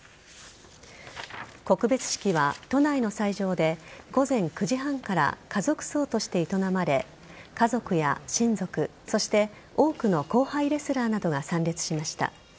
告別式は都内の斎場で午前９時半から家族葬として営まれ家族や親族そして多くの後輩レスラーなどが参列しました。